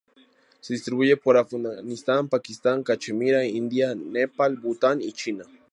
Se distribuye por Afganistán, Pakistán, Cachemira, India, Nepal, Bután y China.